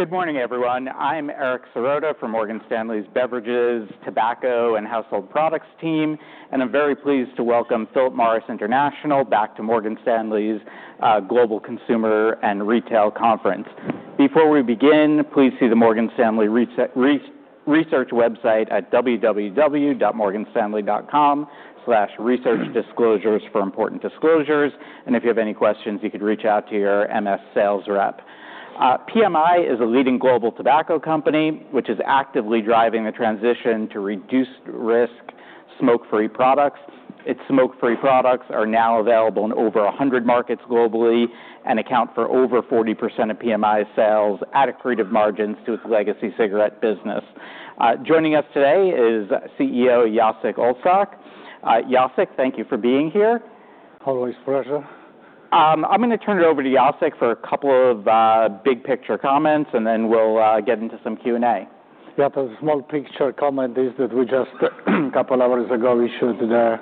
Good morning, everyone. I'm Eric Serotta from Morgan Stanley's Beverages, Tobacco, and Household Products team, and I'm very pleased to welcome Philip Morris International back to Morgan Stanley's Global Consumer and Retail Conference. Before we begin, please see the Morgan Stanley Research website at www.morganstanley.com/researchdisclosures for important disclosures, and if you have any questions, you can reach out to your MS sales rep. PMI is a leading global tobacco company which is actively driving the transition to reduced-risk, smoke-free products. Its smoke-free products are now available in over 100 markets globally and account for over 40% of PMI's sales, adding accretive margins to its legacy cigarette business. Joining us today is CEO Jacek Olczak. Jacek, thank you for being here. Always a pleasure. I'm going to turn it over to Jacek for a couple of big-picture comments, and then we'll get into some Q&A. Yeah, the small-picture comment is that we just, a couple of hours ago, issued the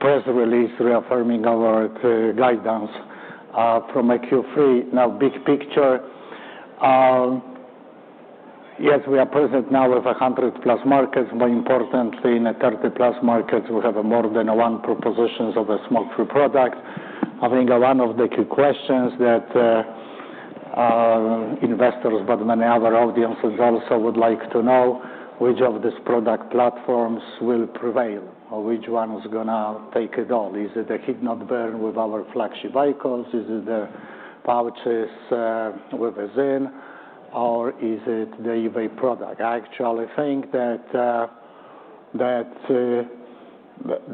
press release reaffirming our guidance from Q3. Now, big picture, yes, we are present now with 100-plus markets, but importantly, in 30-plus markets, we have more than one proposition of a smoke-free product. I think one of the key questions that investors, but many other audiences also, would like to know: which of these product platforms will prevail, or which one is going to take it all? Is it the heat-not-burn with our flagship IQOS? Is it the pouches with ZYN? Or is it the e-vapor product? I actually think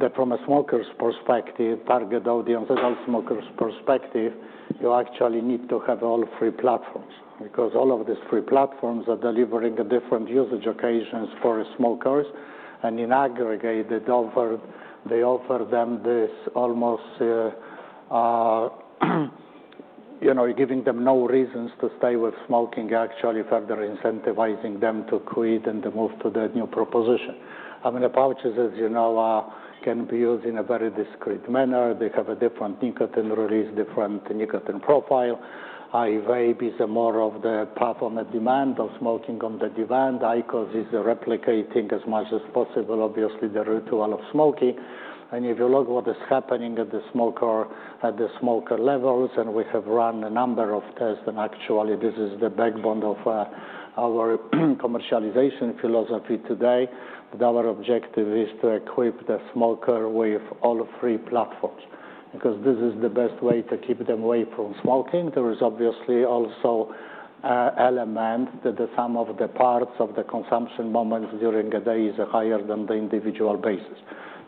that from a smoker's perspective, target audience and all smokers' perspective, you actually need to have all three platforms because all of these three platforms are delivering different usage occasions for smokers, and in aggregate, they offer them this almost, you know, giving them no reasons to stay with smoking, actually further incentivizing them to quit and move to the new proposition. I mean, the pouches, as you know, can be used in a very discreet manner. They have a different nicotine release, different nicotine profile. e-vapor is more of the puff on demand, of smoking on the demand. IQOS is replicating as much as possible, obviously, the ritual of smoking. If you look at what is happening at the smoker levels, and we have run a number of tests, and actually this is the backbone of our commercialization philosophy today, our objective is to equip the smoker with all three platforms because this is the best way to keep them away from smoking. There is obviously also an element that the sum of the parts of the consumption moments during a day is higher than the individual basis.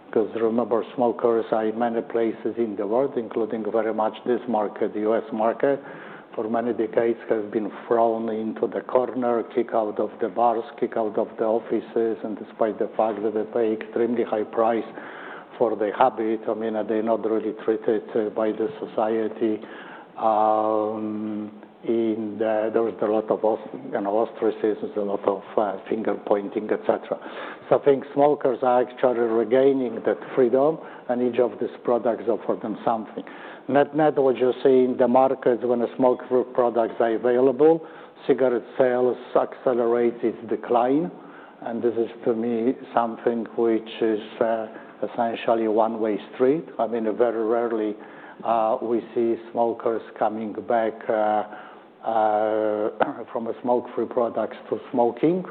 Because remember, smokers are in many places in the world, including very much this market, the U.S. market, for many decades have been thrown into the corner, kicked out of the bars, kicked out of the offices, and despite the fact that they pay extremely high price for the habit, I mean, they're not really treated by the society. There's a lot of ostracism, a lot of finger-pointing, et cetera. I think smokers are actually regaining that freedom, and each of these products offers them something. Net-net, what you see in the markets when smoke-free products are available, cigarette sales accelerate its decline, and this is, to me, something which is essentially a one-way street. I mean, very rarely we see smokers coming back from smoke-free products to smoking.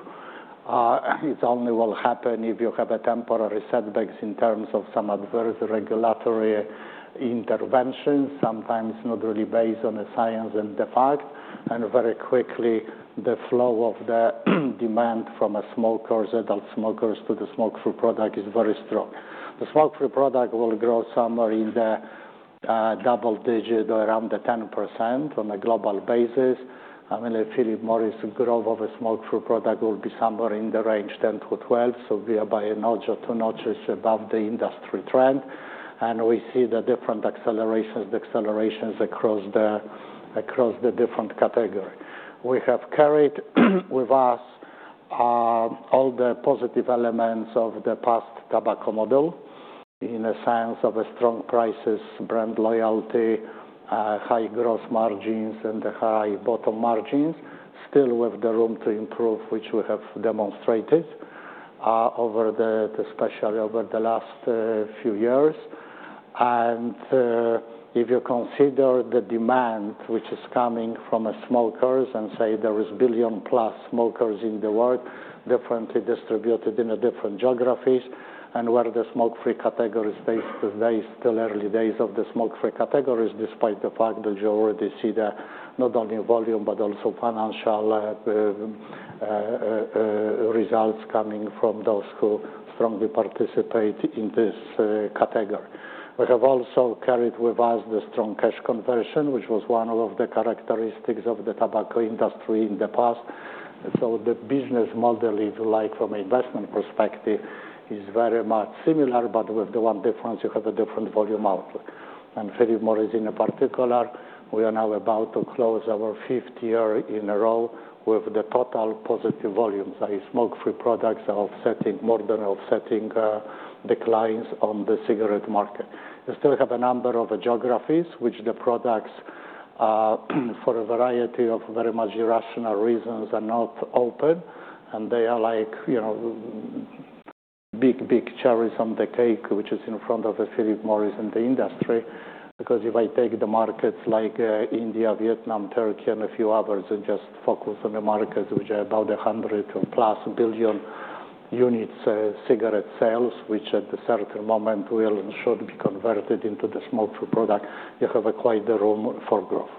It only will happen if you have temporary setbacks in terms of some adverse regulatory interventions, sometimes not really based on the science and the fact, and very quickly the flow of the demand from smokers, adult smokers, to the smoke-free product is very strong. The smoke-free product will grow somewhere in the double digit or around 10% on a global basis. I mean, if Philip Morris' growth of a smoke-free product will be somewhere in the range 10-12%, so we are by a notch or two notches above the industry trend, and we see the different accelerations, the accelerations across the different categories. We have carried with us all the positive elements of the past tobacco model in a sense of strong prices, brand loyalty, high gross margins, and high bottom margins, still with the room to improve, which we have demonstrated especially over the last few years. If you consider the demand which is coming from smokers and say there are a billion-plus smokers in the world, differently distributed in different geographies, and where the smoke-free category stays today, still early days of the smoke-free categories, despite the fact that you already see not only volume but also financial results coming from those who strongly participate in this category. We have also carried with us the strong cash conversion, which was one of the characteristics of the tobacco industry in the past. The business model, if you like, from an investment perspective, is very much similar, but with the one difference: you have a different volume output. At Philip Morris, in particular, we are now about to close our fifth year in a row with the total positive volumes of smoke-free products offsetting, more than offsetting, declines on the cigarette market. You still have a number of geographies which the products, for a variety of very much irrational reasons, are not open, and they are like, you know, big, big cherries on the cake which is in front of Philip Morris International in the industry. Because if I take the markets like India, Vietnam, Turkey, and a few others, and just focus on the markets which are about 100-plus billion units cigarette sales, which at a certain moment will and should be converted into the smoke-free product, you have quite the room for growth.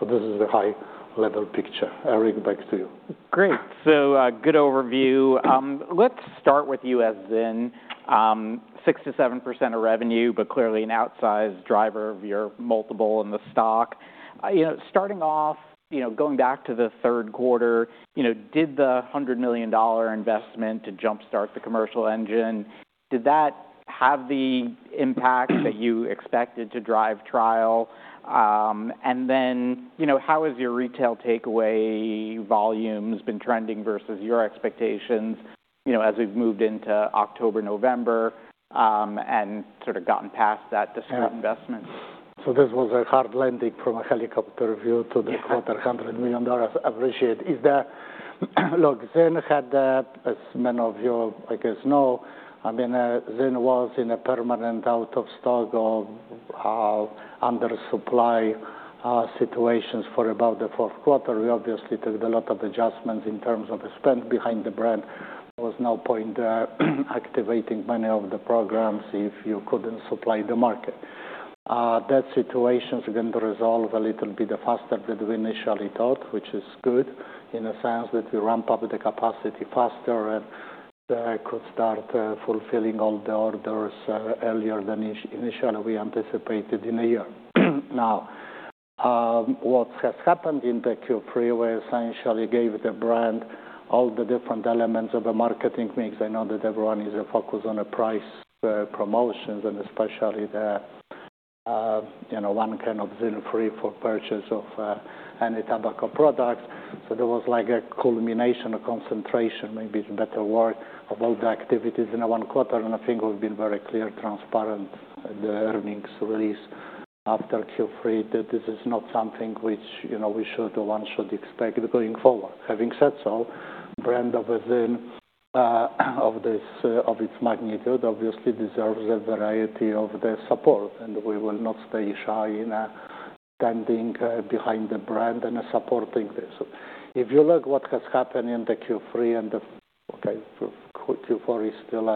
This is the high-level picture. Eric, back to you. Great. Good overview. Let's start with U.S. ZYN, 6-7% of revenue, but clearly an outsized driver of your multiple in the stock. You know, starting off, you know, going back to the third quarter, you know, did the $100 million investment to jump-start the commercial engine, did that have the impact that you expected to drive trial? You know, how has your retail takeaway volumes been trending versus your expectations, you know, as we've moved into October, November, and sort of gotten past that discrete investment? This was a hard landing from a helicopter view to the quarter, $100 million appreciate. Is that, look, ZYN had, as many of you, I guess, know, I mean, ZYN was in a permanent out-of-stock or under-supply situation for about the fourth quarter. We obviously took a lot of adjustments in terms of the spend behind the brand. There was no point activating many of the programs if you could not supply the market. That situation is going to resolve a little bit faster than we initially thought, which is good in the sense that we ramp up the capacity faster and could start fulfilling all the orders earlier than initially we anticipated in a year. Now, what has happened in the Q3, we essentially gave the brand all the different elements of a marketing mix. I know that everyone is focused on price promotions and especially the, you know, one can of ZYN free for purchase of any tobacco products. There was like a culmination, a concentration, maybe it's a better word, of all the activities in the one quarter, and I think we've been very clear, transparent, the earnings release after Q3 that this is not something which, you know, we should, one should expect going forward. Having said so, brand of a ZYN of its magnitude obviously deserves a variety of the support, and we will not stay shy in standing behind the brand and supporting this. If you look at what has happened in the Q3 and the, okay, Q4 is still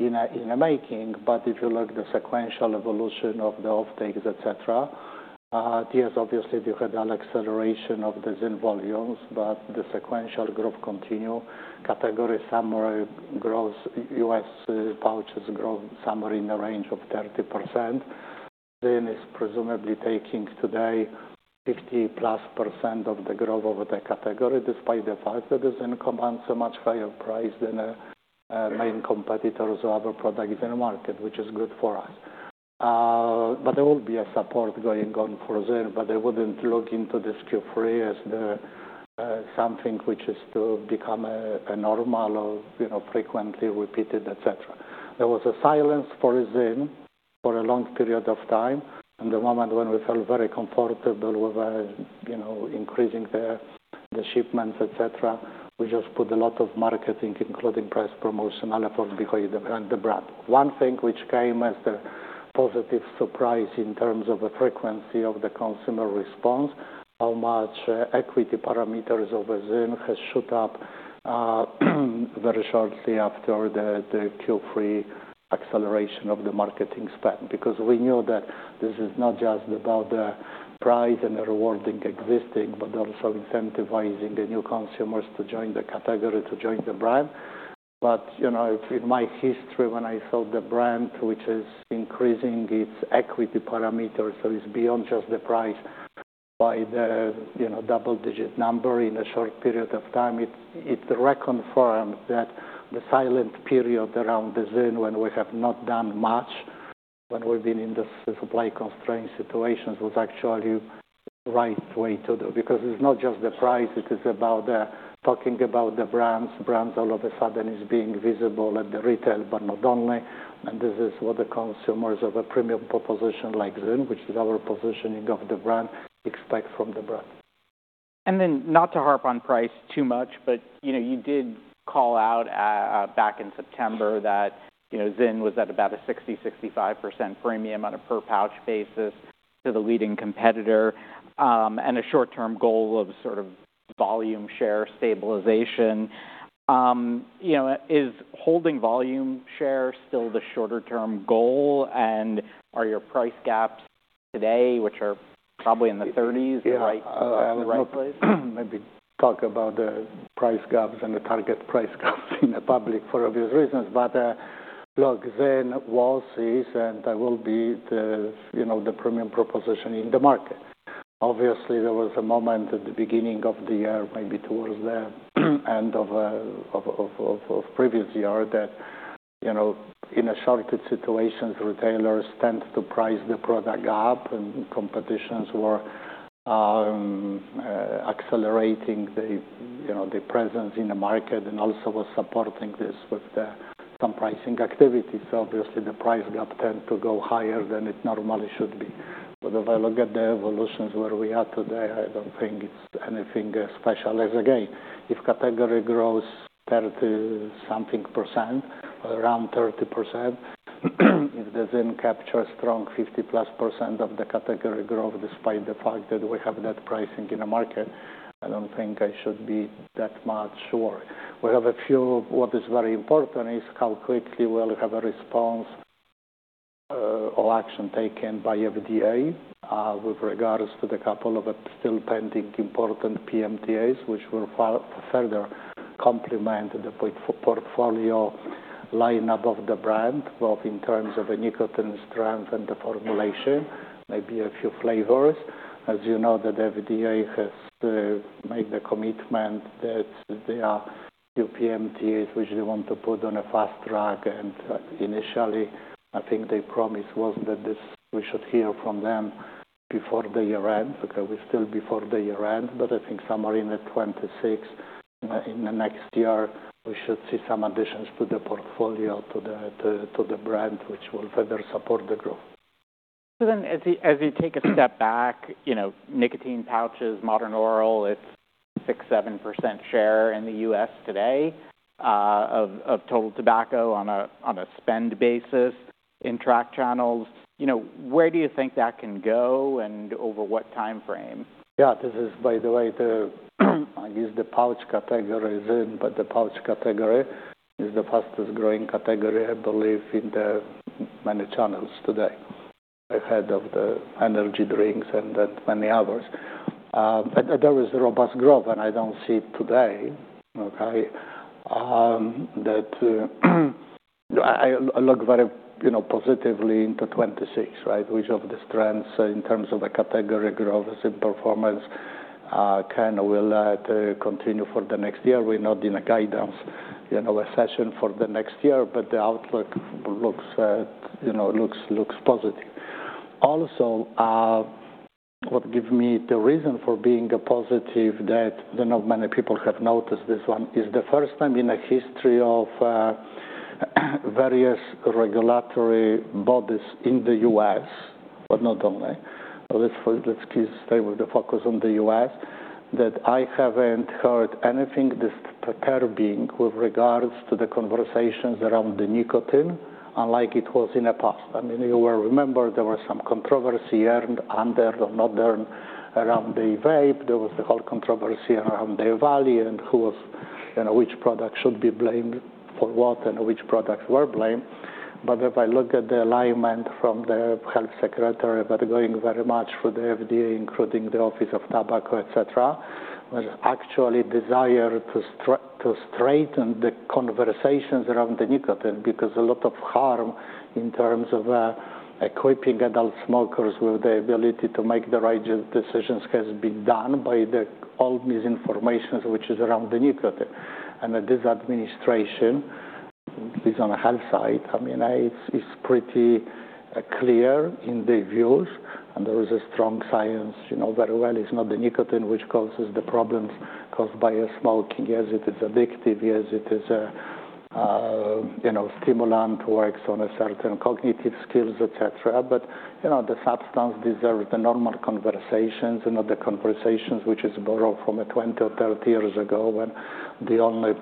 in the making, but if you look at the sequential evolution of the offtakes, et cetera, yes, obviously you had an acceleration of the ZYN volumes, but the sequential growth continued. Category similarly grows, U.S. pouches grow somewhere in the range of 30%. ZYN is presumably taking today 50-plus % of the growth of the category, despite the fact that the ZYN commands a much higher price than the main competitors of our product in the market, which is good for us. There will be support going on for ZYN, but I would not look into this Q3 as something which is to become a normal or, you know, frequently repeated, et cetera. There was a silence for ZYN for a long period of time, and the moment when we felt very comfortable with, you know, increasing the shipments, et cetera, we just put a lot of marketing, including price promotional effort behind the brand. One thing which came as a positive surprise in terms of the frequency of the consumer response, how much equity parameters of ZYN has shot up very shortly after the Q3 acceleration of the marketing spend, because we knew that this is not just about the price and the rewarding existing, but also incentivizing the new consumers to join the category, to join the brand. You know, in my history, when I saw the brand which is increasing its equity parameters, so it's beyond just the price by the, you know, double-digit number in a short period of time, it reconfirmed that the silent period around the ZYN when we have not done much, when we've been in the supply-constrained situations, was actually the right way to do. Because it's not just the price, it is about talking about the brands. Brands all of a sudden are being visible at the retail, but not only, and this is what the consumers of a premium proposition like ZYN, which is our positioning of the brand, expect from the brand. Not to harp on price too much, but, you know, you did call out back in September that, you know, ZYN was at about a 60-65% premium on a per-pouch basis to the leading competitor, and a short-term goal of sort of volume share stabilization. You know, is holding volume share still the shorter-term goal, and are your price gaps today, which are probably in the 30s, right? Yeah, maybe talk about the price gaps and the target price gaps in the public for obvious reasons, but look, ZYN was, is, and will be the, you know, the premium proposition in the market. Obviously, there was a moment at the beginning of the year, maybe towards the end of previous year, that, you know, in a short situation, retailers tend to price the product up, and competitions were accelerating the, you know, the presence in the market and also were supporting this with some pricing activities. The price gap tends to go higher than it normally should be. If I look at the evolutions where we are today, I do not think it is anything special. Again, if category grows 30-something %, around 30%, if the ZYN captures strong 50-plus % of the category growth despite the fact that we have that pricing in the market, I do not think I should be that much worried. We have a few, what is very important is how quickly we will have a response or action taken by FDA with regards to the couple of still pending important PMTAs, which will further complement the portfolio lineup of the brand, both in terms of the nicotine strength and the formulation, maybe a few flavors. As you know, the FDA has made the commitment that there are new PMTAs which they want to put on a fast track, and initially I think their promise was that we should hear from them before the year end, because we're still before the year end, but I think somewhere in 2026 in the next year, we should see some additions to the portfolio, to the brand, which will further support the growth. As you take a step back nicotine pouches, Modern Oral, it's 6-7% share in the U.S. today of total tobacco on a spend basis in track channels. You know, where do you think that can go and over what timeframe? Yeah, this is, by the way, the, I guess the pouch category is in, but the pouch category is the fastest-growing category, I believe, in the many channels today, ahead of the energy drinks and many others. There is robust growth, and I don't see today, okay, that I look very, you know, positively into 2026, right, which of the strengths in terms of the category growth as in performance kind of will continue for the next year. We're not in a guidance, you know, recession for the next year, but the outlook looks, you know, looks positive. Also, what gives me the reason for being positive that I know many people have noticed, this one is the first time in the history of various regulatory bodies in the U.S., but not only, let's stay with the focus on the U.S., that I haven't heard anything disturbing with regards to the conversations around the nicotine, unlike it was in the past. I mean, you will remember there was some controversy earned under the modern around the vape. There was the whole controversy around the EVALI and who was, you know, which product should be blamed for what and which products were blamed. If I look at the alignment from the health secretary about going very much for the FDA, including the Office of Tobacco, et cetera, there's actually a desire to straighten the conversations around the nicotine, because a lot of harm in terms of equipping adult smokers with the ability to make the right decisions has been done by the old misinformation which is around the nicotine. This administration, at least on the health side, I mean, it's pretty clear in their views, and there is a strong science, you know, very well, it's not the nicotine which causes the problems caused by smoking. Yes, it is addictive. Yes, it is a, you know, stimulant works on a certain cognitive skills, et cetera. You know, the substance deserves the normal conversations and not the conversations which are borrowed from 20 or 30 years ago when the only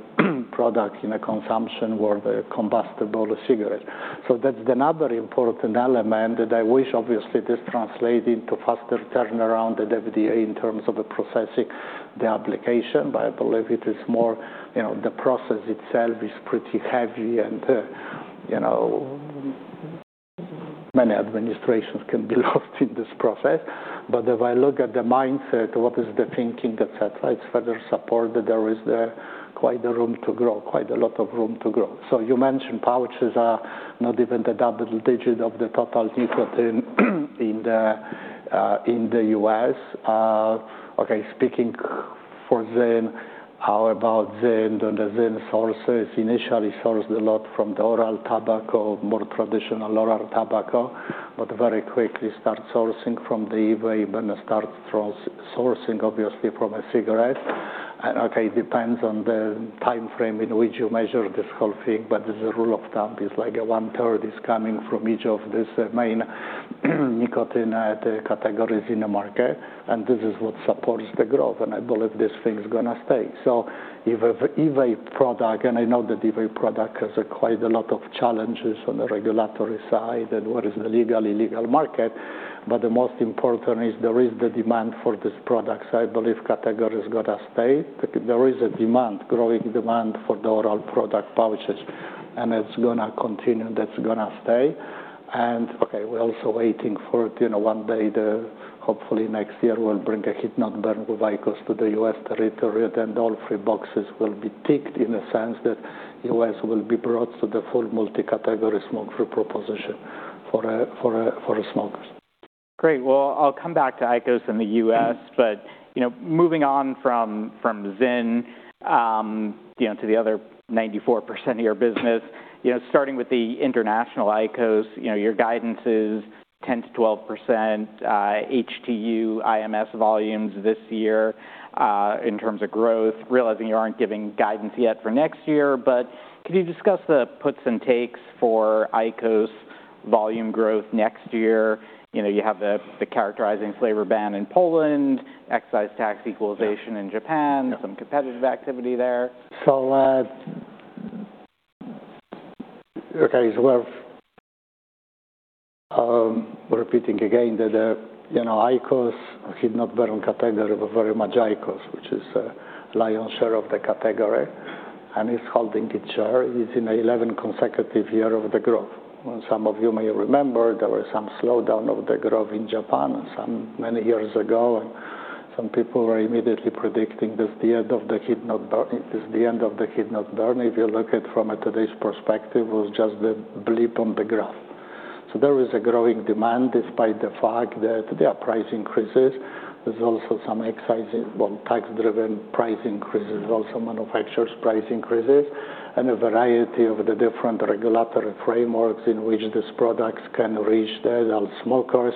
product in consumption was the combustible cigarette. That is another important element that I wish obviously this translated into faster turnaround at FDA in terms of processing the application, but I believe it is more, you know, the process itself is pretty heavy and, you know, many administrations can be lost in this process. If I look at the mindset, what is the thinking, et cetera, it is further support that there is quite a room to grow, quite a lot of room to grow. You mentioned pouches are not even the double digit of the total nicotine in the U.S. Okay, speaking for ZYN, how about ZYN? The ZYN sources initially sourced a lot from the oral tobacco, more traditional oral tobacco, but very quickly start sourcing from the e-vapor and start sourcing obviously from a cigarette. Okay, it depends on the timeframe in which you measure this whole thing, but the rule of thumb is like one-third is coming from each of these main nicotine categories in the market, and this is what supports the growth, and I believe this thing's going to stay. So, e-vapor product, and I know that e-vapor product has quite a lot of challenges on the regulatory side and what is the legal, illegal market, but the most important is there is the demand for these products. I believe category is going to stay. There is a demand, growing demand for the oral product pouches, and it's going to continue, and it's going to stay. Okay, we're also waiting for, you know, one day, hopefully next year, we'll bring a heat-not-burn with IQOS to the U.S. territory, then all three boxes will be ticked in the sense that U.S. will be brought to the full multi-category smoker proposition for smokers. Great. I'll come back to IQOS in the U.S., but, you know, moving on from ZYN, you know, to the other 94% of your business, you know, starting with the international IQOS, you know, your guidance is 10%-12% HTU IMS volumes this year in terms of growth, realizing you aren't giving guidance yet for next year, but could you discuss the puts and takes for IQOS volume growth next year? You know, you have the characterizing flavor ban in Poland, excise tax equalization in Japan, some competitive activity there. Okay, we're repeating again that, you know, IQOS, heat-not-burn category, we're very much IQOS, which is a lion's share of the category, and it's holding its share. It's in the 11 consecutive years of the growth. Some of you may remember there was some slowdown of the growth in Japan many years ago, and some people were immediately predicting this is the end of the heat-not-burn. This is the end of the heat-not-burn. If you look at it from today's perspective, it was just the blip on the graph. There is a growing demand despite the fact that there are price increases. There's also some excise, tax-driven price increases, also manufacturers' price increases, and a variety of the different regulatory frameworks in which these products can reach the adult smokers.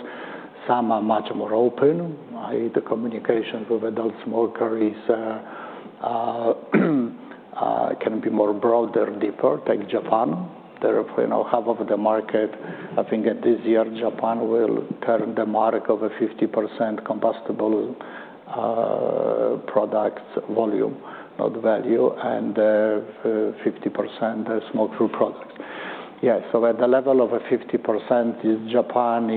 Some are much more open. The communication with adult smokers can be more broad or deeper, take Japan. They're, you know, half of the market. I think this year Japan will turn the mark of a 50% combustible products volume, not value, and 50% smoke-free products. Yeah, so at the level of a 50%, Japan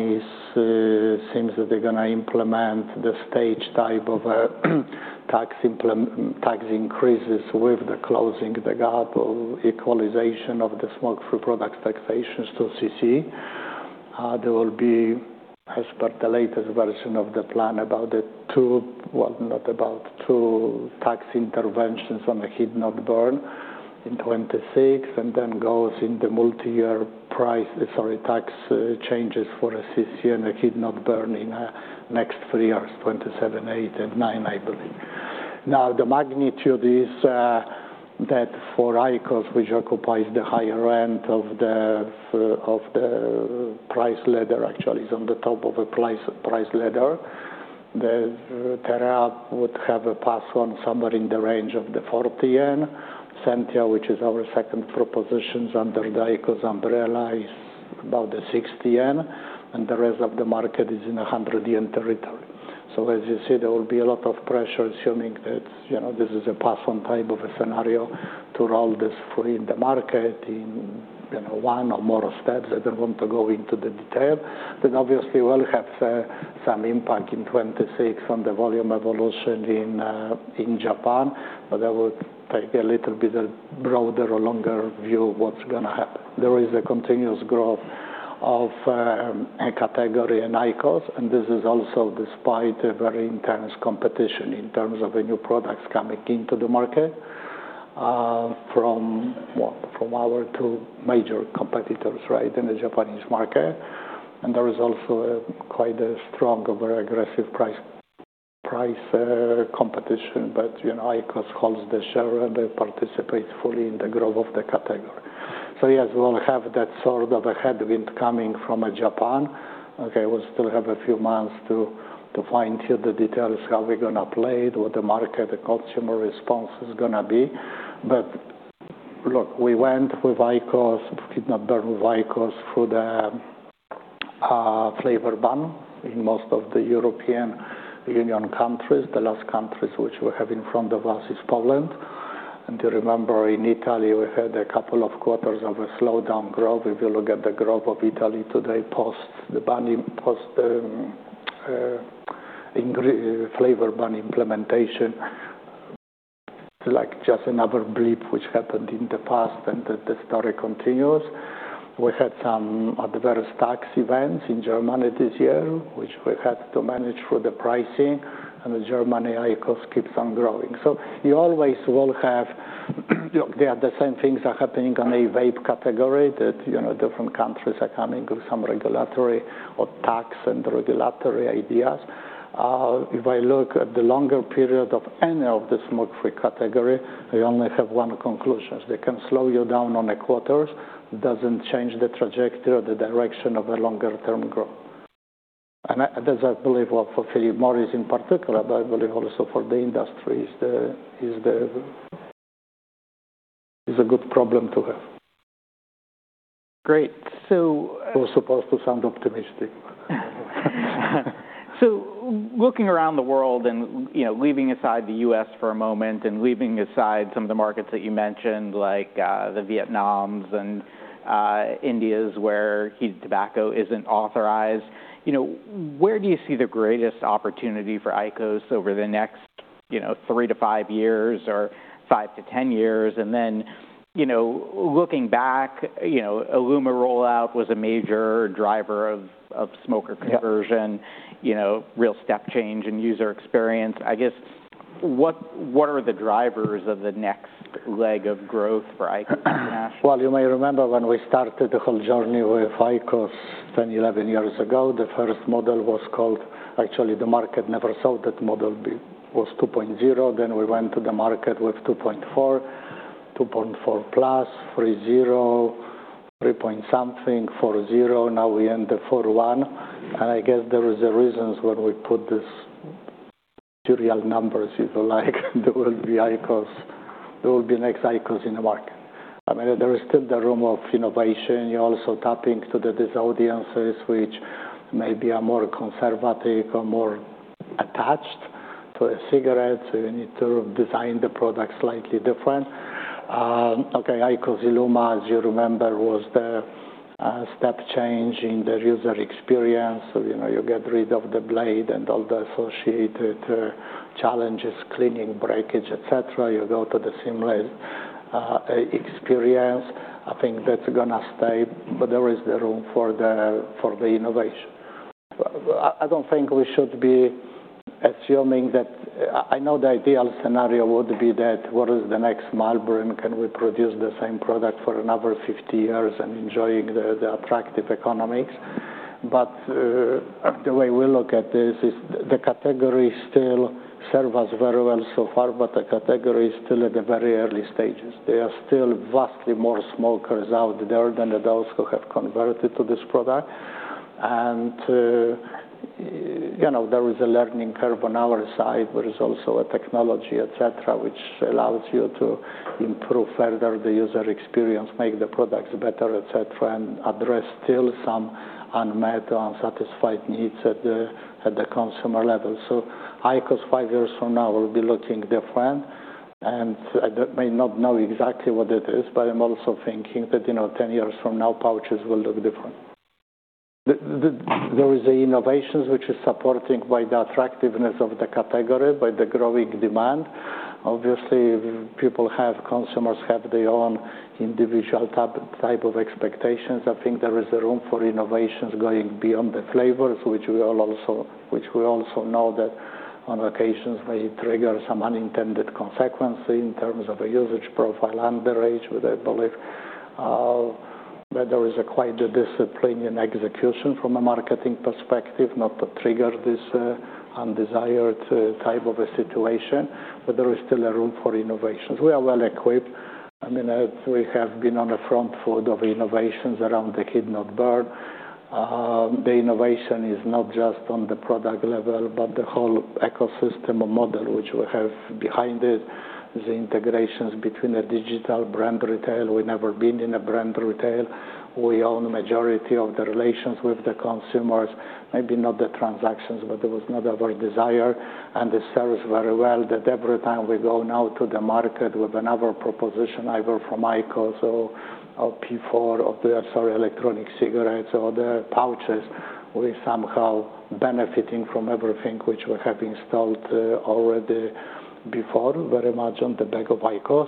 seems that they're going to implement the stage type of tax increases with the closing the gap, equalization of the smoke-free products taxation to CC. There will be, as per the latest version of the plan, about two, well, not about, two tax interventions on the heated tobacco in 2026, and then goes in the multi-year price, sorry, tax changes for a CC and a heated tobacco in the next three years, 2027, 2028, and 2029, I believe. Now, the magnitude is that for IQOS, which occupies the higher end of the price ladder, actually is on the top of a price ladder, the TEREA would have a pass on somewhere in the range of ¥ 40. SENTIA, which is our second proposition under the IQOS umbrella, is about ¥ 60, and the rest of the market is in the ¥ 100 territory. As you see, there will be a lot of pressure assuming that, you know, this is a pass-on type of a scenario to roll this free in the market in, you know, one or more steps. I do not want to go into the detail. Obviously, we will have some impact in 2026 on the volume evolution in Japan, but I would take a little bit broader or longer view of what is going to happen. There is a continuous growth of a category in IQOS, and this is also despite very intense competition in terms of the new products coming into the market from our two major competitors, right, in the Japanese market. There is also quite a strong or very aggressive price competition, but, you know, IQOS holds the share and they participate fully in the growth of the category. Yes, we'll have that sort of a headwind coming from Japan. We'll still have a few months to fine-tune the details, how we're going to play it, what the market, the consumer response is going to be. Look, we went with IQOS, heat-not-burn with IQOS for the flavor ban in most of the European Union countries. The last countries which we have in front of us is Poland. You remember in Italy, we had a couple of quarters of a slowdown growth. If you look at the growth of Italy today post the ban, post the flavor ban implementation, it's like just another blip which happened in the past, and the story continues. We had some adverse tax events in Germany this year, which we had to manage for the pricing, and the Germany IQOS keep on growing. You always will have, look, the same things are happening on a vape category that, you know, different countries are coming with some regulatory or tax and regulatory ideas. If I look at the longer period of any of the smoke-free category, we only have one conclusion. They can slow you down on a quarter. It doesn't change the trajectory or the direction of a longer-term growth. I believe for Philip Morris in particular, but I believe also for the industry, it's a good problem to have. Great. So. Was supposed to sound optimistic. Looking around the world and, you know, leaving aside the U.S. for a moment and leaving aside some of the markets that you mentioned, like the Vietnams and Indias where heated tobacco isn't authorized, you know, where do you see the greatest opportunity for IQOS over the next, you know, three to five years or five to ten years? You know, looking back, you know, ILUMA rollout was a major driver of smoker conversion, you know, real step change in user experience. I guess what are the drivers of the next leg of growth for IQOS internationally? You may remember when we started the whole journey with IQOS 10, 11 years ago, the first model was called, actually the market never saw that model, was 2.0. Then we went to the market with 2.4, 2.4 Plus, 3.0, 3.something, 4.0. Now we're in the 4.1. I guess there are the reasons when we put these material numbers, if you like, there will be IQOS, there will be next IQOS in the market. I mean, there is still the room of innovation. You're also tapping to these audiences which may be more conservative or more attached to cigarettes, so you need to design the product slightly different. IQOS ILUMA, as you remember, was the step change in their user experience. You know, you get rid of the blade and all the associated challenges, cleaning, breakage, et cetera. You go to the seamless experience. I think that's going to stay, but there is the room for the innovation. I don't think we should be assuming that. I know the ideal scenario would be that what is the next mile? Can we produce the same product for another 50 years and enjoying the attractive economics? The way we look at this is the category still serves us very well so far, but the category is still at the very early stages. There are still vastly more smokers out there than those who have converted to this product. You know, there is a learning curve on our side, but there's also a technology, et cetera, which allows you to improve further the user experience, make the products better, et cetera, and address still some unmet or unsatisfied needs at the consumer level. IQOS five years from now will be looking different, and I may not know exactly what it is, but I'm also thinking that, you know, 10 years from now, pouches will look different. There are innovations which are supported by the attractiveness of the category, by the growing demand. Obviously, people have, consumers have their own individual type of expectations. I think there is room for innovations going beyond the flavors, which we also know that on occasions may trigger some unintended consequences in terms of a usage profile underage, but I believe there is quite a discipline in execution from a marketing perspective not to trigger this undesired type of a situation, but there is still room for innovations. We are well equipped. I mean, we have been on the front foot of innovations around the heat-not-burn. The innovation is not just on the product level, but the whole ecosystem or model which we have behind it. The integrations between a digital brand retail, we've never been in a brand retail. We own the majority of the relations with the consumers, maybe not the transactions, but there was never a desire, and it serves very well that every time we go now to the market with another proposition either from IQOS or P4 or, sorry, electronic cigarettes or the pouches, we're somehow benefiting from everything which we have installed already before, very much on the back of IQOS.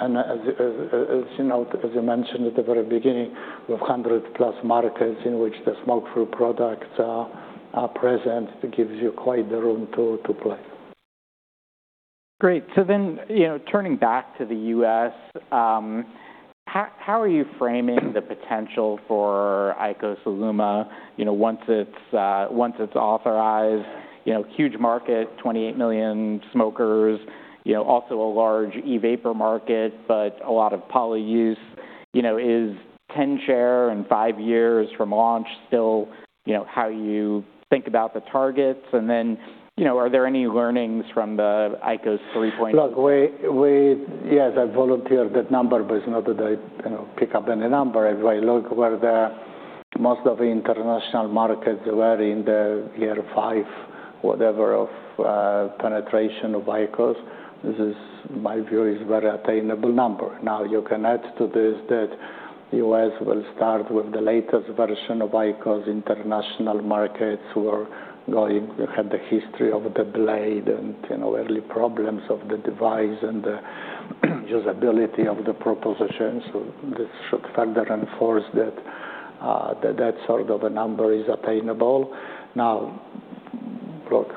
As you mentioned at the very beginning, we have 100 plus markets in which the smoke-free products are present. It gives you quite the room to play. Great. Then, you know, turning back to the U.S., how are you framing the potential for IQOS ILUMA, you know, once it's authorized? You know, huge market, 28 million smokers, you know, also a large e-vapor market, but a lot of poly use, you know, is 10% share in five years from launch still, you know, how you think about the targets? Then, you know, are there any learnings from the IQOS 3.0? Look, we, yes, I volunteered that number, but it's not that I, you know, pick up any number. If I look where most of the international markets were in the year five, whatever of penetration of IQOS, this is, my view, is a very attainable number. Now, you can add to this that the U.S. will start with the latest version of IQOS. International markets were going, had the history of the blade and, you know, early problems of the device and the usability of the proposition. This should further enforce that that sort of a number is attainable. Now, look,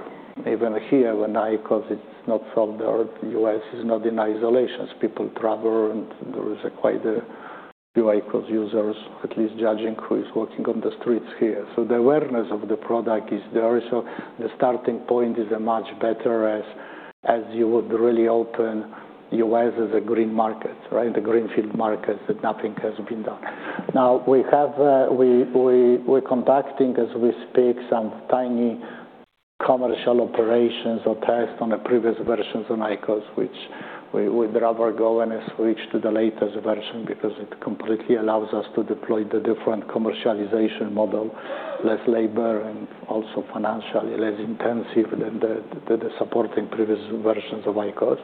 even here, when IQOS is not sold, the U.S. is not in isolation. People travel and there is quite a few IQOS users, at least judging who is walking on the streets here. The awareness of the product is there. The starting point is much better as you would really open the U.S. as a green market, right, a greenfield market that nothing has been done. Now, we have, we're contacting as we speak some tiny commercial operations or tests on the previous versions on IQOS, which we would rather go and switch to the latest version because it completely allows us to deploy the different commercialization model, less labor and also financially less intensive than the supporting previous versions of IQOS.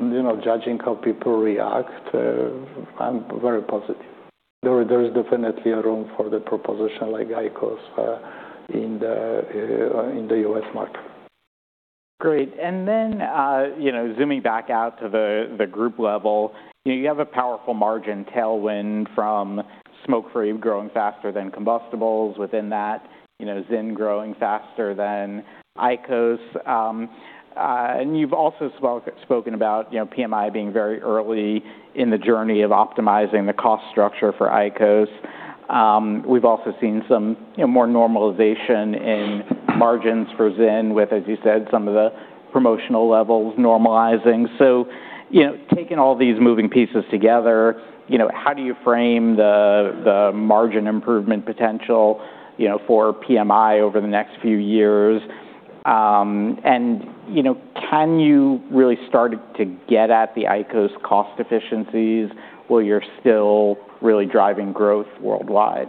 You know, judging how people react, I'm very positive. There is definitely a room for the proposition like IQOS in the U.S. market. Great. You know, zooming back out to the group level, you have a powerful margin tailwind from smoke-free growing faster than combustibles. Within that, you know, ZYN growing faster than IQOS. You have also spoken about, you know, PMI being very early in the journey of optimizing the cost structure for IQOS. We have also seen some more normalization in margins for ZYN with, as you said, some of the promotional levels normalizing. You know, taking all these moving pieces together, you know, how do you frame the margin improvement potential, you know, for PMI over the next few years? You know, can you really start to get at the IQOS cost efficiencies while you are still really driving growth worldwide?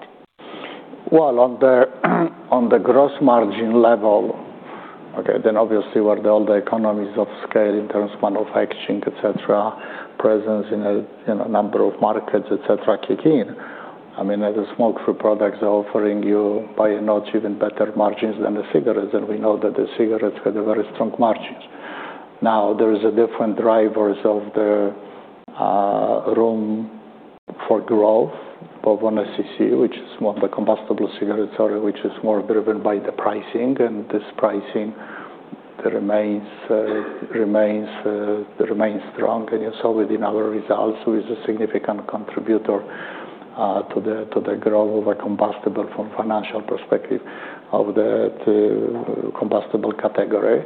On the gross margin level, okay, then obviously where all the economies of scale in terms of manufacturing, et cetera, presence in a number of markets, et cetera, kick in. I mean, as the smoke-free products are offering you by not even better margins than the cigarettes, and we know that the cigarettes had very strong margins. Now, there are different drivers of the room for growth, But with the CC, which is more the combustible cigarettes, sorry, which is more driven by the pricing. And this pricing remains strong, and you saw within our results we are a significant contributor to the growth of a combustible from a financial perspective of the combustible category.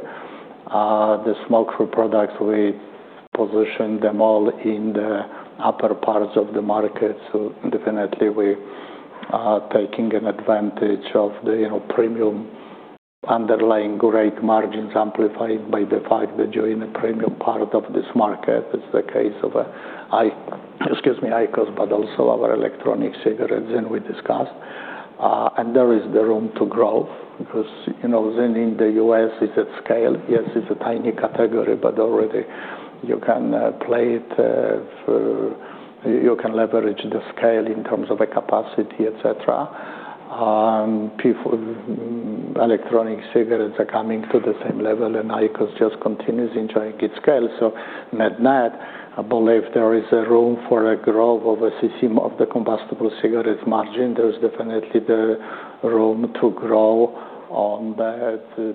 The smoke-free products, we position them all in the upper parts of the market. We are definitely taking advantage of the premium underlying great margins amplified by the fact that you're in a premium part of this market. It's the case of, excuse me, IQOS, but also our electronic cigarettes ZYN we discussed. And there is the room to grow because, you know, ZYN in the U.S. is at scale. Yes, it's a tiny category, but already you can play it, you can leverage the scale in terms of capacity, et cetera. Electronic cigarettes are coming to the same level, and IQOS just continue to enjoy its scale. Net-net, I believe there is room for a growth of the combustible cigarettes margin. There's definitely the room to grow on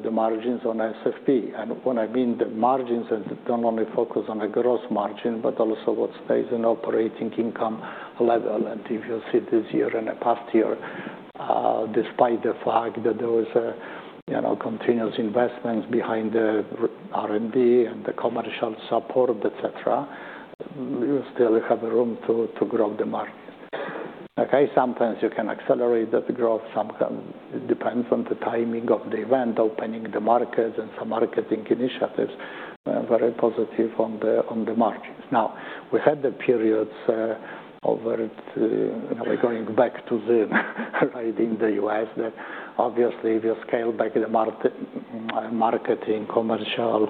the margins on SFP. And when I mean the margins, I don't only focus on the gross margin, but also what stays in operating income level. If you see this year and the past year, despite the fact that there was a, you know, continuous investment behind the R&D and the commercial support, et cetera, you still have room to grow the market. Okay, sometimes you can accelerate that growth. It depends on the timing of the event, opening the markets and some marketing initiatives. Very positive on the margins. We had the periods of going back to ZYN right in the U.S. that obviously if you scale back the marketing, commercial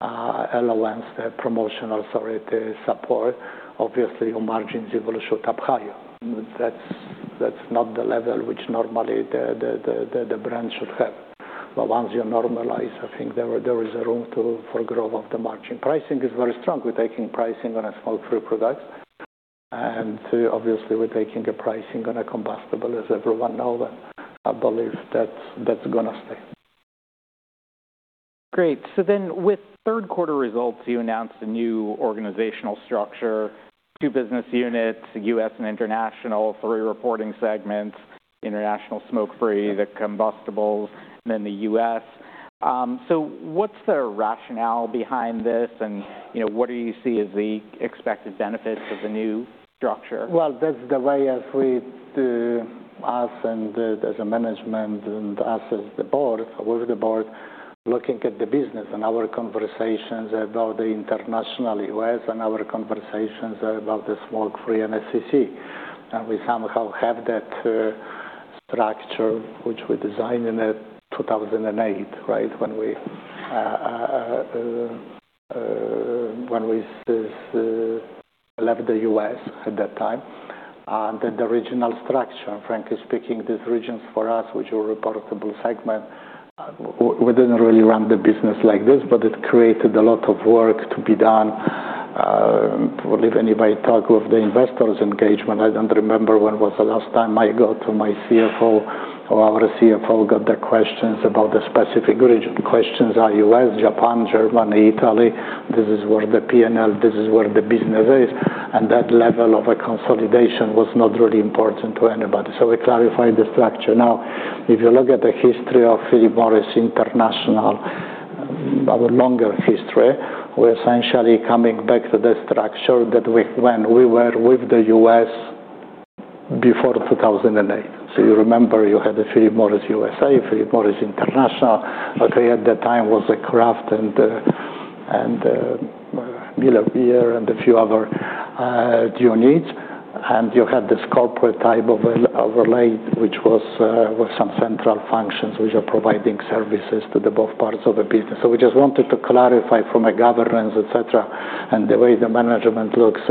elements, promotional authority support, obviously your margins will shoot up higher. That's not the level which normally the brand should have. Once you normalize, I think there is room for growth of the margin. Pricing is very strong. We're taking pricing on smoke-free products. Obviously we're taking a pricing on combustible, as everyone knows. I believe that's going to stay. Great. With third quarter results, you announced a new organizational structure, two business units, U.S. and international, three reporting segments, international smokefree, the combustibles, and then the U.S. What's the rationale behind this and, you know, what do you see as the expected benefits of the new structure? That is the way as we, us and as a management and us as the board, with the board, looking at the business and our conversations about the international U.S. and our conversations about the smokefree and CC. We somehow have that structure which we designed in 2008, right, when we left the U.S. at that time. The regional structure, frankly speaking, this region for us, which is a reputable segment, we did not really run the business like this, but it created a lot of work to be done. I believe anybody talked of the investors' engagement. I do not remember when was the last time I got to my CFO or our CFO got the questions about the specific region. Questions are US, Japan, Germany, Italy. This is where the P&L, this is where the business is. That level of consolidation was not really important to anybody. We clarified the structure. Now, if you look at the history of Philip Morris International, our longer history, we're essentially coming back to the structure that when we were with the U.S. before 2008. You remember you had the Philip Morris U.S.A., Philip Morris International, at the time was a Kraft and Miller Brewing Company and a few other units. You had this corporate type of relay, which was with some central functions, which are providing services to both parts of the business. We just wanted to clarify from a governance, et cetera, and the way the management looks,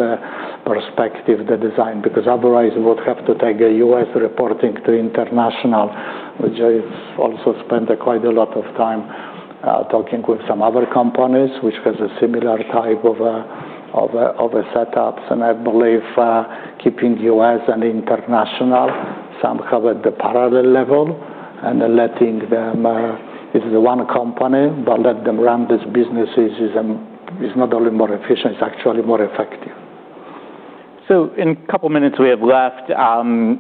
perspective, the design, because otherwise we would have to take a U.S. reporting to international, which also spent quite a lot of time talking with some other companies which have a similar type of setups. I believe keeping U.S. and international somehow at the parallel level and letting them, it's the one company, but let them run this business is not only more efficient, it's actually more effective. In a couple of minutes we have left,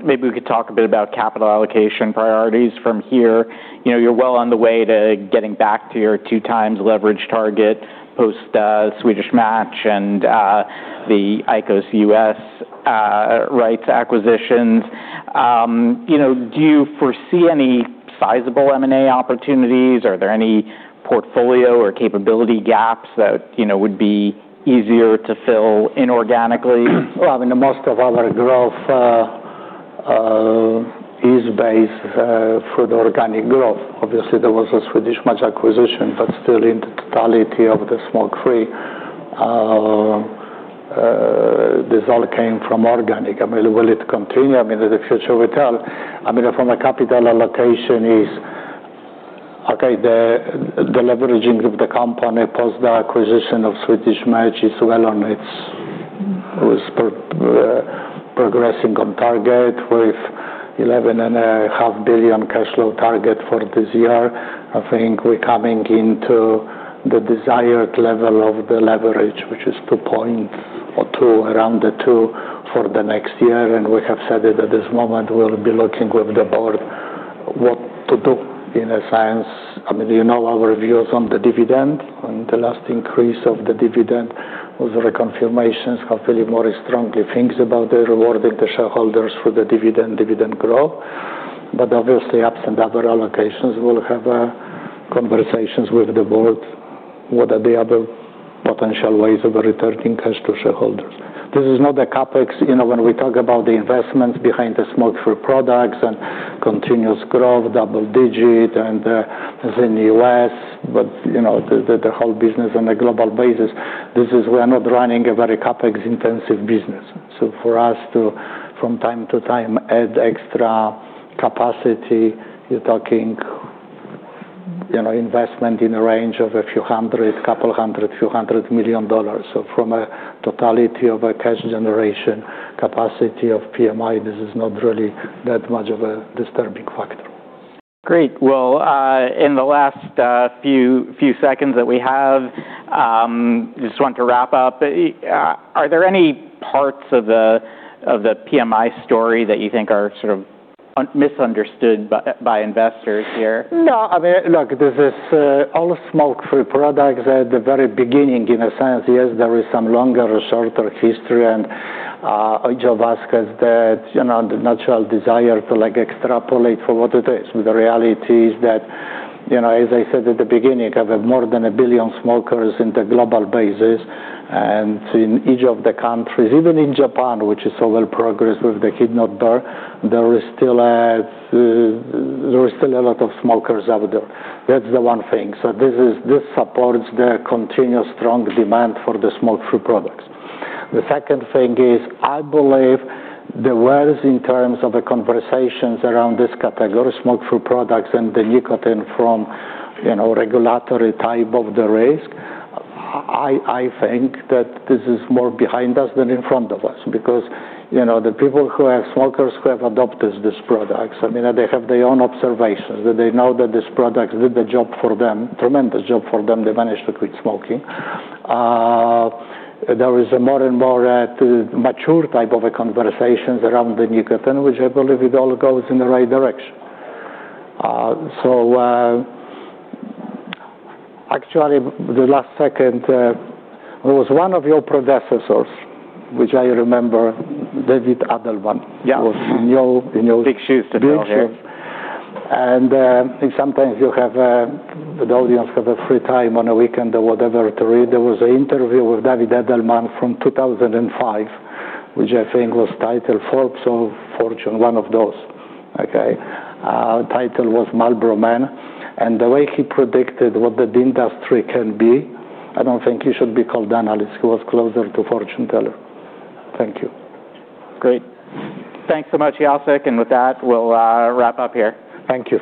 maybe we could talk a bit about capital allocation priorities from here. You know, you're well on the way to getting back to your two times leverage target post Swedish Match and the IQOS U.S. rights acquisitions. You know, do you foresee any sizable M&A opportunities? Are there any portfolio or capability gaps that, you know, would be easier to fill inorganically? I mean, most of our growth is based for the organic growth. Obviously, there was a Swedish Match acquisition, but still in the totality of the smoke-free, this all came from organic. I mean, will it continue? I mean, in the future, we'll tell. I mean, from a capital allocation is, okay, the leveraging of the company post the acquisition of Swedish Match is well on its progressing on target with $11.5 billion cash flow target for this year. I think we're coming into the desired level of the leverage, which is 2.2, around the 2 for the next year. We have said that at this moment we'll be looking with the board what to do in a sense. I mean, you know our views on the dividend and the last increase of the dividend was reconfirmation how Philip Morris strongly thinks about rewarding the shareholders for the dividend, dividend growth. Obviously, absent other allocations, we'll have conversations with the board what are the other potential ways of returning cash to shareholders. This is not a CapEx, you know, when we talk about the investments behind the smoke-free products and continuous growth, double digit and ZYN U.S., but, you know, the whole business on a global basis, this is we're not running a very CapEx intensive business. For us to, from time to time, add extra capacity, you're talking, you know, investment in a range of a few hundred, couple hundred, few hundred million dollars. From a totality of a cash generation capacity of PMI, this is not really that much of a disturbing factor. Great. In the last few seconds that we have, I just want to wrap up. Are there any parts of the PMI story that you think are sort of misunderstood by investors here? No, I mean, look, this is all smoke-free products at the very beginning in a sense. Yes, there is some longer or shorter history. I just ask that, you know, the natural desire to like extrapolate for what it is. The reality is that, you know, as I said at the beginning, I have more than a billion smokers on a global basis and in each of the countries, even in Japan, which is so well progressed with the heated tobacco, there is still a lot of smokers out there. That's the one thing. This supports the continuous strong demand for the smoke-free products. The second thing is I believe the words in terms of the conversations around this category, smoke-free products and the nicotine from, you know, regulatory type of the risk, I think that this is more behind us than in front of us because, you know, the people who have smokers who have adopted these products, I mean, they have their own observations that they know that these products did the job for them, tremendous job for them. They managed to quit smoking. There is a more and more mature type of conversations around the nicotine, which I believe it all goes in the right direction. Actually the last second, there was one of your predecessors, which I remember, David Adelman. Yeah. He was new. Big shoes to fill there. Big shoes. Sometimes you have the audience have a free time on a weekend or whatever to read. There was an interview with David Adelman from 2005, which I think was titled Forbes or Fortune, one of those. Okay. Title was Marlboro Man. The way he predicted what the industry can be, I do not think he should be called analyst. He was closer to fortune teller. Thank you. Great. Thanks so much, Jacek. With that, we'll wrap up here. Thank you.